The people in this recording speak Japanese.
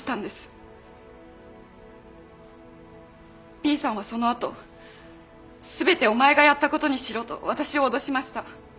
Ｂさんはその後全てお前がやったことにしろと私を脅しました。